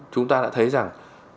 chúng ta đã thấy rằng